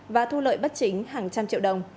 và thu lợi bất chính hàng trăm triệu đồng